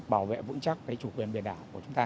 bảo vệ vững chắc chủ quyền biển đảo